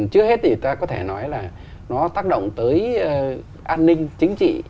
trước hết thì ta có thể nói là nó tác động tới an ninh chính trị